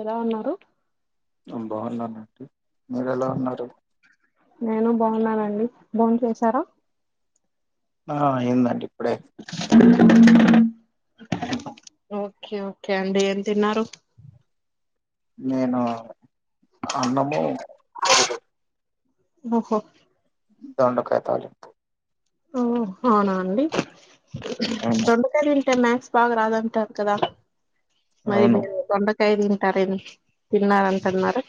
ఎలా ఉన్నారు. బాగున్నా మీరు ఎలా ఉన్నారు. నేను బాగున్నానండి బోన్ చేశారా. ఆ అయిందండి ఇప్పుడే. ఓకే ఓకే అండి ఏం తిన్నారు. నేను అన్నము. [unintelligible] లీదు. ఓహో. దొండకాయ్ తాలింపు. ఓ అవునా అండి అవును దొండకాయి. టే మ్యాథ్స్ బాగా రాదాంటార్ కదా మరి అవును మీరే. దొండకాయ్ తింటారేమి తిన్నారంటన్నారు.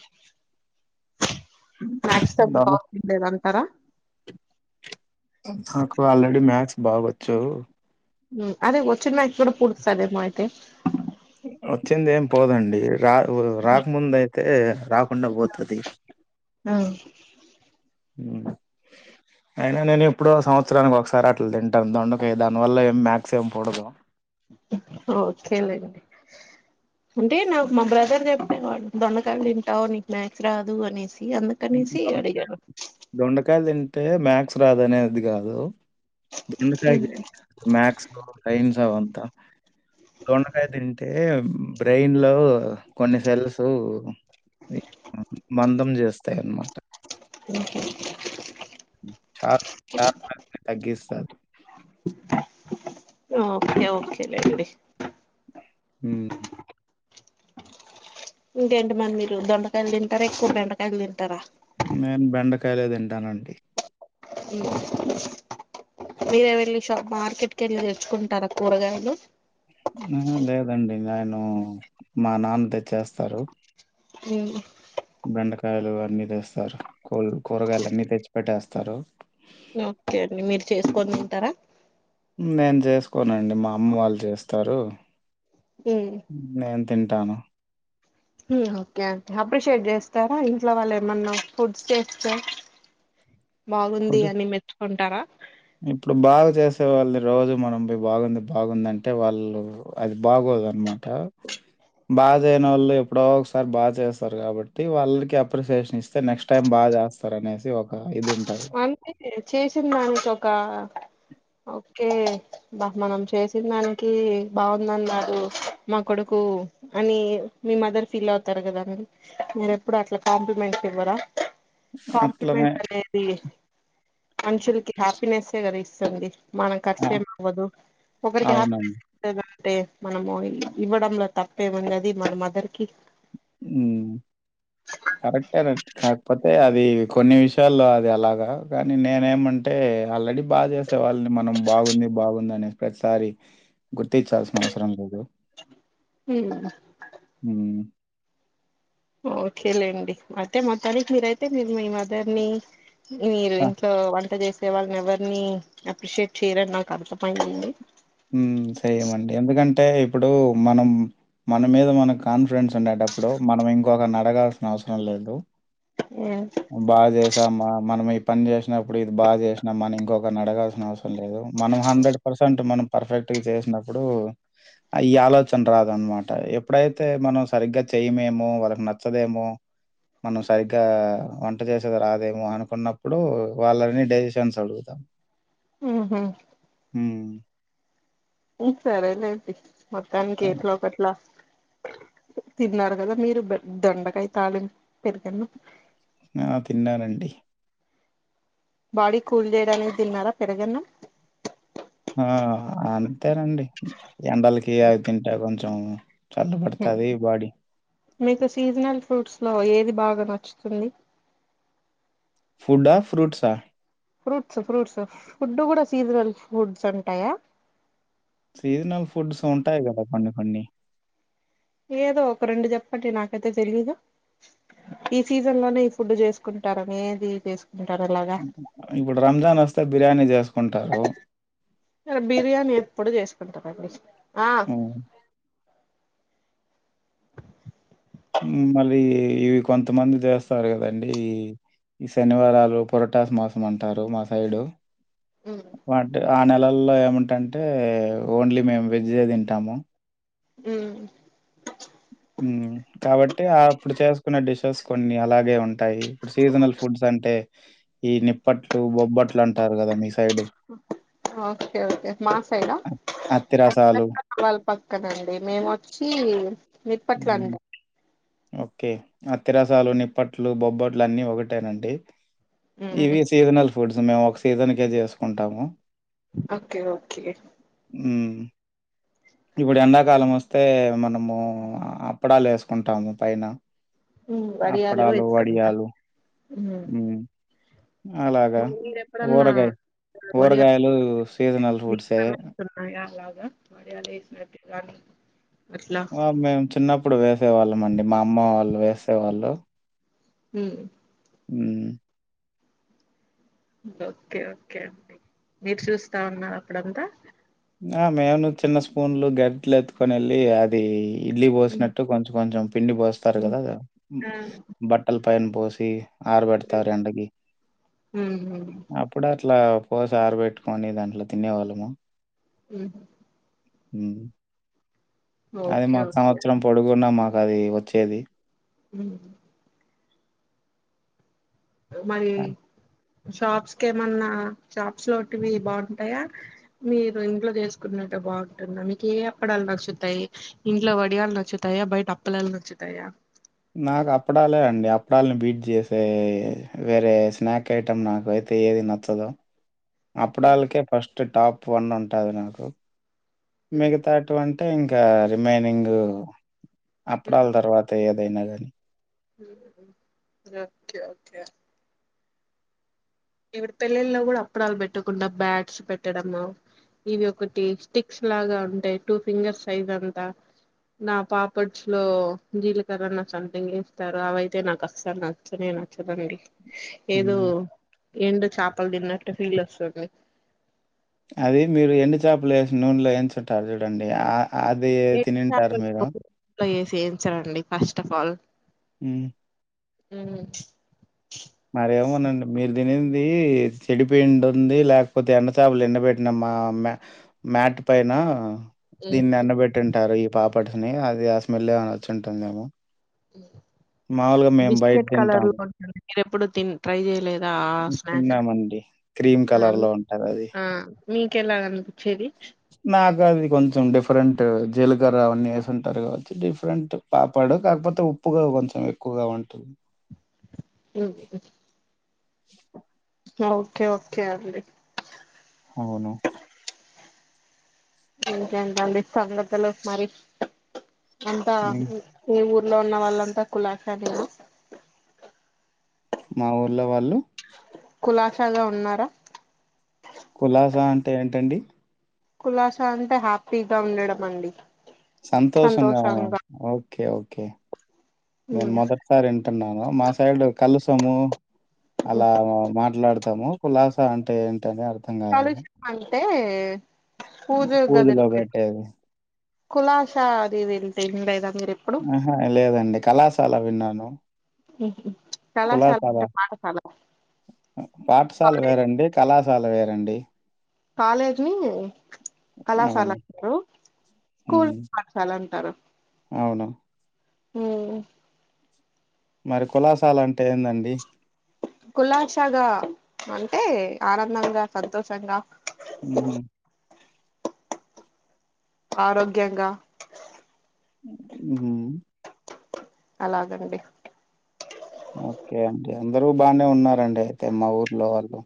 దానా. నాకు ఆల్రెడీ మ్యాక్స్ బాగొచ్చు. అదే వచ్చిన నాయి కూడా పుడుతదేమో అయితే. వచ్చింది ఏం పోదండి రా ఊరు రాక్ ముందు అయితే రాకుండా పోతాది. ఉం. ఉమ్. అయినా నేను ఎప్పుడో సంవత్సరానికి ఒకసారి అట్లా తింటాను దొండకాయ్ దానివల్ల ఏం మ్యాక్స్ ఏం పోడదు. ఓకేలే అంటే నాకు మా బ్రదర్ చెప్. దొండకాయలు తింటావ్ నీకు మ్యాక్స్ రాదు అనేసి అందు. ద దొండకాయలు తింటే మ్యాక్స్ రాదనేది కాదు. దొండకాయ మ్యాక్స్, సైన్స్ అవంతా దొండకాయ తింటే బ్రెయిన్లో కొన్ని సెల్స్ మందం చేస్తాయి అన్మాట. [inaudible] చా [unintelligible] తగ్గిస్తాది. ఓకే, ఓకే లేండి. ఉహ్. ఇంకేంటి మరి మీరు దొండకాయలు తింటరా, ఎక్కువ బెండకాయలు తింటరా? నేను బెండకాయలే తింటానండి. మీరే వెళ్ళి షాప్ మార్కెట్ కెళ్ళి తెచ్చుకుంటారా కూరగాయలు. ఆ లేదండి నేను, మా నాన్న తెచ్చేస్తారు. ఇంకా బెండకాయలు అన్నీ తెస్తారు, కూ కూరగాయలు అన్నీ తెచ్చిపెట్టేస్తారు. ఓకే అండి. మీరు చేసుకొని తింటరా? నేను చేసుకోనండి మా అమ్మ వాళ్ళు చేస్తారు. హ్ నేను తింటాను. ఓకే అండి అప్రిషియేట్ చేస్తరా ఇంట్లో వాళ్ళు ఏమన్నా ఫుడ్స్ చేస్తే. బాగుంది ఫుడ్ అని మెచ్చుకుంటారా? ఇప్పుడు బాగా చేసే వాళ్ళని రోజు మనం పోయి బాగుంది బాగుందంటే వాళ్ళు అది బాగోదు అన్మాట. బాచేయనోళ్ళు ఎప్పుడో ఒకసారి బాగా చేస్తారు కాబట్టి వాళ్ళకి అప్రిసియేషన్ ఇస్ స్తే నెక్స్ట్ టైమ్ బాగా చేస్తారు అనేసి ఒక ఇది ఉంటది. అంటే చేశిందానికి ఒకా ఓకే బా మనం చేసిందానికి బాగుందన్నాడు మా కొడుకు అని మీ మదర్ ఫీల్ అవుతరు కదండి. మీరు ఎప్పుడు అట్లా కాంప్లిమెంట్స్ ఇవ్వరా? అట్లనే కాంప్లిమెంట్స్ అనేది మనుషులకి హ్యాపీనెస్సే కదా ఇస్తుంది. మనకు ఆ! ఖర్చేం అవ్వదు, ఒకరికి అవునండి. హ్యాపీనెస్సే ఇస్తదంటే మనము ఇవ్వడంలో తప్పేముంది అది మన మదర్ కి. ఉహ్. కరెక్టేనండి కాకపోతే అది కొన్ని విషయాల్లో అది అలాగా కానీ నేనేమం అంటే ఆల్రెడీ బాగా చేసే వాళ్ళని మనం బాగుంది బాగుందనేసి ప్రతిసారి గుర్తించాల్సిన అవసరం లేదు. హ్ హ్ ఓకేలేండి అయితే మొత్తానికి మీరయితే మీరు మీ మదర్ ని మీరు ఆ! ఇంట్లో వంట చేసేవాళ్ని ఎవరిని అప్రిషియేట్ చేయరని నాకు అర్థమయిందండి. సేయమండి ఎందుకంటే ఇప్పుడు మనం మన మీద మనకు కాన్ఫిడెన్స్ ఉండేటప్పుడు మనం ఇంకొకల్ని అడగాల్సిన అవసరం లేదు. ఏ బాగా చేసామా, మనం ఈ పని చేశినప్పుడు ఇది బాగా చేశినమని ఇంకొకరిని అడగాల్సిన అవసరం లేదు, మనం హండ్రెడ్ పర్సెంట్ మనం పర్ఫెక్ట్ గా చేశినప్పుడు ఆ ఈ ఆలోచన రాదన్మాట. ఎప్పుడైతే మనం సరిగ్గా చేయమేమో, వాళ్ళకి నచ్చదేమో మనం సరిగ్గా వంట చేసేది రాదేమో అనుకున్నప్పుడు వాళ్ళని డిజిషన్స్ అడుగుతాం ఉ హు ఉ సరేలేంటి మొత్తానికి అవును. ఏంట్లో ఒకట్లా తిన్నారు కదా మీరు దొండకాయ తాళింపు పెరుగు అన్నం ఆ తిన్నానండి బాడీ కూల్ చేయడానికి తిన్నారా పెరుగన్న ఆ అంతేనండి ఎండలకి అవి తింటా కొంచం చల్ల పడుతది ఈ బాడీ మీకు సీజనల్ ఫ్రూట్స్ లో ఏది బాగా నచ్చుతుంది ఫ్రూట ఆ ఫ్రూట్స ఫ్రూట్స్ ఫ్రూట్స్ ఫుడ్ కూడా సీజనల్ ఫుడ్స్ ఉంటాయా సీజనల్ ఫుడ్స్ ఉంటాయి కదా కొన్ని కొన్ని ఏదో ఒక రెండు చెప్పండి నాకైతే తెలీయదు ఈ సీజన్ లోనే ఈ ఫుడ్ చేసుకుంటారనిదీ చేసుకుంటారు అలాగా ఇప్పుడు రంజాన్ వస్తే బిర్యానీ చేసుకుంటారు ఆ బిర్యానీ ఎప్పుడు చేసుకుంటారుండి ఉ మళ్ళీ ఇవి కొంతమంది చేస్తారు కదండి ఈ ఈ శనివారాలు పొరటాస్ మాసం అంటారు మా సైడు ఉమ్ వాంటే ఆ నెలల్లో ఏమింటంటే ఓన్లీ మేము వెజ్ తింటాము ఉ ఉ కాబట్టి ఆ అప్పుడు చేసుకున్న డిషెస్ కొన్ని అలాగే ఉంటాయి ఇప్పుడు సీజనల్ ఫుడ్స్ అంటే ఈ నిప్పట్లు బొబ్బట్లు అంటారు కదా మీ సైడు ఓకే ఓకే మా సైడ అత్ అత్తిరసాలు వాళ్ళ పక్కనండి మేము వచ్చి నిప్పట్లు హ్మ్. అంటాము ఓకే అతిరసాలు నిప్పట్లు బొబ్బట్లు అన్ని ఒకటేనండి ఉమ్ ఇవి సీజనల్ ఫుడ్స్ మేము ఒక సీజన్కే చేసుకుంటాము ఓకే ఓకే ఉ ఇప్పుడు ఎండాకాలం వస్తే మనము అప్పడాలు వేసుకుంటాము పైన ఉమ్ వడియాలు అప్పడాలు వేసుకుంటాం వడియాలు ఉమ్ ఊ అలాగా మీరెప్పుడన్నా కూరగాయ వడియాలు కూరగాయలు సీజనల్ ఫుడ్సే భాగారాలాగా వడియాలు వేసినట్టుగాని మేము చిన్నప్పుడు వేసేవాళ్ళం అండి మా అమ్మ వాళ్ళు వేసేవాళ్ళు ఉ ఉ ఓకే ఓకే అండి మీరు చూస్తా ఉన్నార అప్పుడంతా ఆ మేము చిన్న స్పూన్లు గంటేలు ఎత్తుకొని వెళ్ళి అదీ ఇడ్లీ ఉమ్ పోసినట్టు కొంచెం కొంచెం పిండి పోస్తారు ఉమ్ కదా ఆ బట్టల పైన పోసి ఆరబెడతారు ఎండకి ఉమ్ ఉమ్ ఆ ఇప్పుడు అట్లా పోసి ఆర బెట్టుకొని దాంట్లో తినేవాళ్ళము ఉమ్ ఉహు అది ఓకే మాకు ఓకే సంవత్సరం పొడుగున్న మాకు అది వచ్చేది. [inaudible] మరి ఆ! షాప్స్ కెమన్నా షాప్స్ లో టివి బావుంటయా మీరు ఇంట్లో చేసుకున్నట్టు బాగుంటుంద మీకు ఏ అప్పడాలు నచ్చుతాయి. ఇంట్లో వడియాలు నచ్చుతాయా బయట అప్పలాలు నచ్చుతాయా నాకు అప్పడాలే అండి అప్పడాలను బీట్ చేసే వేరే స్నాక్ ఐటమ్ నాకై యేది నచ్చదు ఉమ్ అప్పుడళ్ళకే ఫస్ట్ టాప్ వన్ ఉంటాది నాకు ఉమ్ మిగతాటి వంటే ఇంకా రిమైనింగ్ అప్పుడాల ఉమ్ తర్వ ఏదైనా గానీ [inaudible] ఓకే ఓకే ఇపుడు పెళ్ళిళ్ల్లో కూడ అప్పడాలు పెట్టకుండా బ్యాట్స్ పెట్టడము ఇవి ఒకటి స్టిక్స్ లాగా ఉంటయి టూ ఫింగర్ సైజ్ అంతా నా పాపట్స్ లో జీలకర్రన్న సంతింగ్ ఏస్తారు అవయితే నాకు అసలు నా నచ్చనే నచ్చదండి ఏదో హ్మ్. ఎండు చాపలు తిన్నట్టు ఫీల్ వస్తుంది. అది మీరు ఎండు చాపలు ఏసి నూనెలో వేంచుంటారు చూడండి ఆ అది ఎండు తినుంటారు చాపలు మీరు. [unintelligible] ఏసీ ఎంచరండి first of all um um మరేమోనండి మీరు తినింది చెడిపోయింటుంది లేకపోతే ఎండచాపలు ఎండ బెట్ న్న మా మ మ్యాట్ పైన దీన్ని ఎన్నబెట్టి ఉంటారు ఈ పాపట్ని అది ఆ స్మెల్ ఏమైనా వచ్చి ఉంటుందేమో బయట బిస్కెట్ కలర్ లో తింటాము. ఉంటుంది నేన్ ఎపుడు తిన్ ట్రై చేయలేదా ఆ స్నాక్ తిన్నామండి. క్రీమ్ ఆ మీ కలర్‌లో ఉంటదది. ఆ మీకెలా అనిపించేది నాకు అది కొంచెం డిఫరెంట్ జీలకర్ర అవన్నీ వేసి ఉంటారు కాచ్చు డిఫరెంట్ పాపాడు కాకపోతే ఉప్పుగా కొంచెం ఎక్కుగా ఉంటుంది ఉహు ఆ ఓకే ఓకే అండి అవును ఇంకేంటండి సంగతులు మరి అంతా హ్మ్. మీ ఊర్లో ఉన్న వాళ్ళంతా కులాస నేనా మా ఊర్లో వాళ్ళు కులాసాగ ఉన్నార? కులాసా అంటే ఏంటండి కులాసా అంటే హ్యాపీగా ఉండడం అండి సంతోషంగానా సంతోషంగా ఓకే ఓకే నేను ఉమ్ మొదట్ సారి వింటున్నాను మా సైడ్ కలుసము అలా మాట్లాడతాము కులాసా అంటే ఏంటి అని అ కలశం అంటే పూజ గదిలో పూజలో పెట్టే పెట్టేది. కులాస అది వేరు [inaudible] లేదా మీరు ఎప్పుడు ఆహా లేదండి కళాశా అలా విన్నాను ఉహు కళాశాల కులాశాల అంటే పాఠశాల పాఠశాల కాలేజ్ వేరండి కళాశాల వేరండి కాలేజ్ ని కళాశాల అవును. అంటారు స్కూల్ ని హ్మ్. పాఠశాల అంటారు అవును హ్మ్ మరి కులాసాల అంటే ఏందండి కులాశగా అంటే ఆనందంగా సంతోషంగా ఊహు ఆరోగ్యంగా హ్మ్ అలాగండి ఓకే అండి అందరూ బానే ఉన్నారండి అయితే మా ఊర్లో వాళ్ళు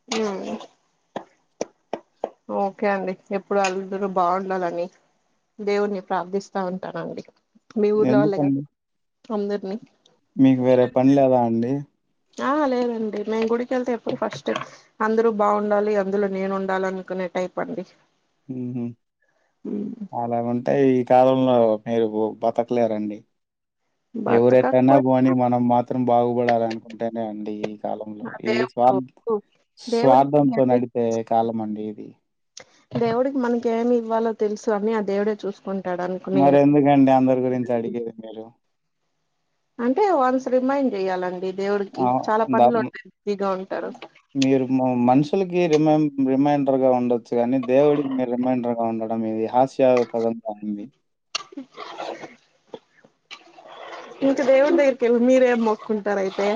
హ్మ్ ఓకే అండి ఎప్పుడు అల్దురు బాగుండాలని దేవుణి ప్రార్థిస్తా ఉంటానండి మీ ఊర్లో వాళ్ళే గా ఎందుకండి? అందరినీ మీకు వేరే పని లేదా అండి ఆ లేదండి మేము గుడికి ఎళ్తే ఎప్పుడు ఫస్ట్ అందరూ బాగుండాలి అందులో నేను ఉండాలనుకునే టైపండి ఊహు అలా ఉంటే ఈ కాలంలో మీరు బతకలేరండి ఎవరెటన్నా బతకకపోయినా బోనీ మనం మాత్రం బాగుపడాల అనుకుంటేనే అండి ఈ కాలంలో ఇది దేవుడు స్వార్ దేవుడికి స్వార్థంతో నడిపే కాలమండి ఇది దేవుడికి మనకి ఏమి ఇవ్వాలో తెలుసు అన్నీ ఆ దేవుడే చూస్ కొంటాడన్ మరెందుకండి అందరి గురించి అడిగేది మీరు అంటే వన్స్ రిమైండ్ జేయాలండి దేవుడికి ఆహ్, చాలా ద పనులున్నాయ్ బిజీగా ఉంటారు మీరు మ మనుషులకి రిమై రిమైండర్ గా ఉండొచ్చు గానీ దేవుడికి మీరు రిమైండర్ గా ఉండడం ఇది హాస్ స్య పదం గా వుంది [inaudible] ఇంక దేవుడ్ దగగిర్కెల్ మీరేం మొక్కుంటారయితే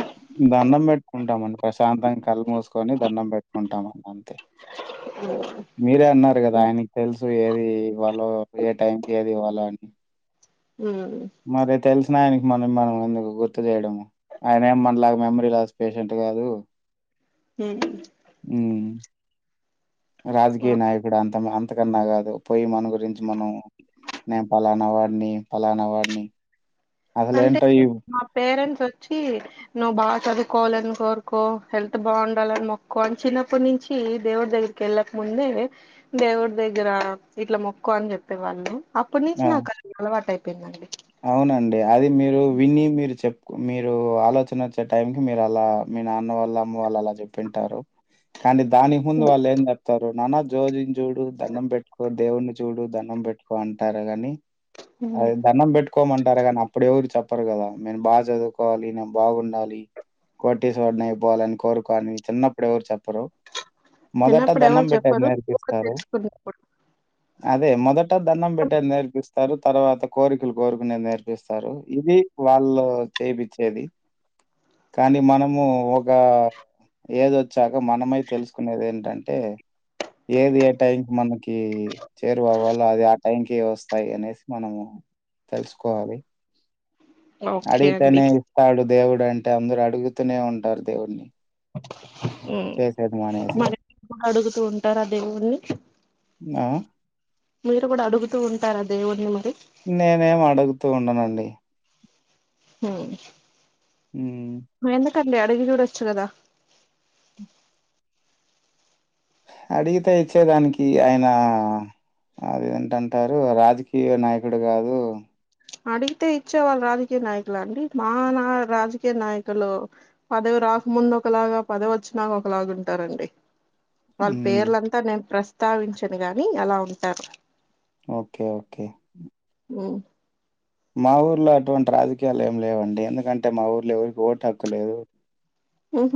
దండం పెట్టుకుంటామండి ప్రశాంతంగ కళ్ళు మూసుకొని దండం పెట్టుకుంటాం అన్ మీరే అన్నారు గదా ఉమ్ ఆయనక్ తెలుసు ఏది ఇవ్వాలో ఏ టైంకిి ఏది ఇవ్వాలో అని హ్మ్ మరి తెలిసిన ఆయనికి మనం మనం ఎందుకు గుర్తు జేయడము ఆయన ఏ మన లాగా మెమరీ లాస్ పేషెంట్ గాదు తెలీ హ్మ్ రాజకీయ నాయకుడు అంతం అంతకన్నా కాదు పోయి మన గురించి మనం నేను పలానా వాడిని ఫలానా వాడిని అసలు అంటే ఏంటో ఈ మా పేరెంట్స్ ఓచ్చి నువ్వు బాగా చదువుకోవాలని కోరుకో హెల్త్ బాగుండాలని మొక్కో అని చిన్నప్పటి నుంచి దేవుడు దగ్గర్ కెళ్ళక ముందు దేవుడి దగ్గర ఇట్లా మొక్కుకో అని జెప్పే వాళ్ళు అప్పడ్ నుంచి ఆ, నాకు అది అలవాటయిపోయిందండి అవునండి అది మీరు విని మీరు చెప్ మీరు ఆలోచన ఒచ్చే టైం కి మీరలా మీ నాన్న వాళ్ళ అమ్మ వాళ్ళు అలా చెప్పింటారు కానీ దానికి ముందు వాళ్ళు ఏం జెప్తారు నానా జోజిన్ జూడు దండం పెట్టుకో దేవుణ్ని చూడు దనం పెట్టుకో అంటారు గాని అదే దనం పెట్ కోమంటారూ గానీ అప్పుడు ఎవరు చెప్పరు గదా నేను బాగా చదువుకోవాలి నేన్ బాగుండాలి [unintelligible] అయిపోవాలని కోరుకోని చిన్నప్పుడు ఎవరు చెప్పరు మొదట చిన్నప్పుడు దన్నం ఎవరు పెట్టేది చెప్పరు నేర్పిస్తారు తెలుసుకున్నప్పుడు అదే మొదట దన్నం పెట్టేది నేర్పిస్తారు తర్వాత కోరికలు కోరుకునేది నేర్పిస్తారు ఇది వాళ్ళు చేపిచ్చేది కానీ మనము ఒక ఏజ్ వచ్చాక మనమై తెలుసుకునేది ఏంటంటే ఏది ఏ టైంకి మనకి [unintelligible] అది ఆ టైంకి వస్తాయి అనేసి మనము తెలుసుకోవాలి ఓకే అండి అడిగితేనే ఇస్తాడు దేవుడు అంటే అందరు అడుగుతూనే ఉంటారు దేవుని మరి కూడ అడుగుతూ ఉంటారు ఆ దేవుని ఆ మీరు కూడ అడుగుతూ ఉంటార దేవుణ్ణి మరి నేనేం అడుగుతూ ఉండనండి హ్మ్. ఎందుకు అండి అడిగి చూడచ్చు కదా అడిగితే ఇచ్చేదానికి ఆయన [unintelligible] రాజకీయ నాయకుడు కాదు అడిగితే ఇచ్చే వాళ్ళు రాజకీయ నాయకులు అండి మా నా రాజకీయ నాయకులు పదవి రాకముందు ఒకలాగ పదవి వచ్చినాక ఒకలాగా ఉంటారండి వాళ్ళ హ్మ్. పేర్లంత నేను ప్రస్తావించను గాని అలా ఉంటారు ఓకే ఓకే ఉ మా ఊర్లో అటువంటి రాజకీయాలు ఏమి లేవండి ఎందుకంటే మా ఊర్లో ఎవరికి ఓటు హక్కు లేదు ఉమ్.